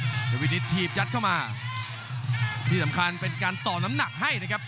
เทวินิตถีบยัดเข้ามาที่สำคัญเป็นการต่อน้ำหนักให้นะครับ